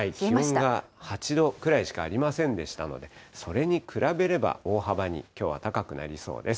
気温が８度くらいしかありませんでしたので、それに比べれば、大幅にきょうは高くなりそうです。